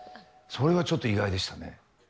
それがちょっと意外でしたね。